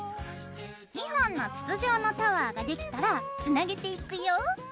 ２本の筒状のタワーができたらつなげていくよ。